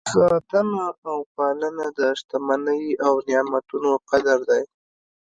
ساتنه او پالنه د شتمنۍ او نعمتونو قدر دی.